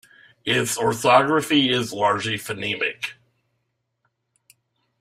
Its orthography is largely phonemic.